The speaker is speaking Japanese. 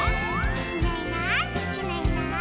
「いないいないいないいない」